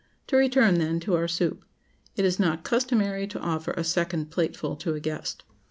To return, then, to our soup: It is not customary to offer a second plateful to a guest.